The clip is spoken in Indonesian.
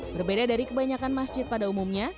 berbeda dari kebanyakan masjid pada umumnya